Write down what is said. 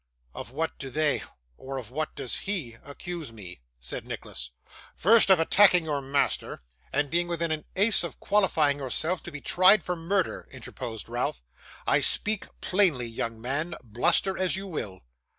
'Of what do they or of what does he accuse me?' said Nicholas. 'First, of attacking your master, and being within an ace of qualifying yourself to be tried for murder,' interposed Ralph. 'I speak plainly, young man, bluster as you will.